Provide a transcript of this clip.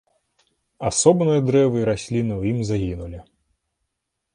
Асобныя дрэвы і расліны ў ім загінулі.